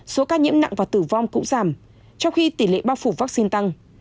số ca nhiễm nặng và tử vong cũng giảm trong khi tỷ lệ bao phủ vaccine tăng